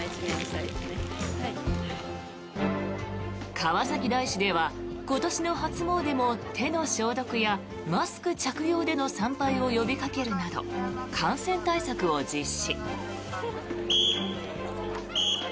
川崎大師では今年の初詣も手の消毒やマスク着用での参拝を呼びかけるなど感染対策を実施。